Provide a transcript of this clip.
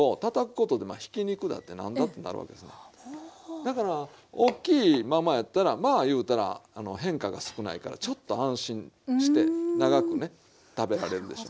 だからおっきいままやったらまあいうたら変化が少ないからちょっと安心して長くね食べられるでしょ。